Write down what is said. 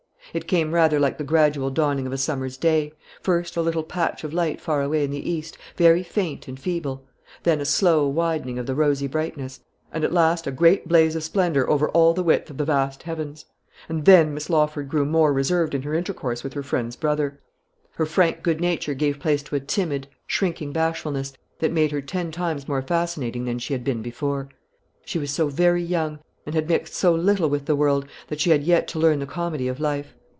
It came rather like the gradual dawning of a summer's day, first a little patch of light far away in the east, very faint and feeble; then a slow widening of the rosy brightness; and at last a great blaze of splendour over all the width of the vast heavens. And then Miss Lawford grew more reserved in her intercourse with her friend's brother. Her frank good nature gave place to a timid, shrinking bashfulness, that made her ten times more fascinating than she had been before. She was so very young, and had mixed so little with the world, that she had yet to learn the comedy of life.